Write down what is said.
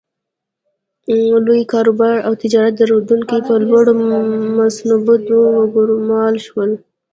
لوی کاروبار او تجارت درلودونکي په لوړو منصبونو وګومارل شول.